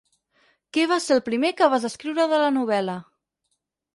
Què va ser el primer que vas escriure de la novel·la?